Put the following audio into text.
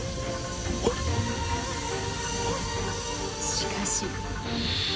しかし。